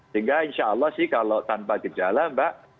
sehingga insya allah sih kalau tanpa gejala mbak